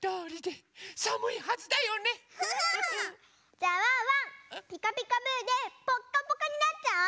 じゃあワンワン「ピカピカブ！」でぽっかぽかになっちゃおう！